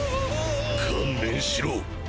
観念しろ。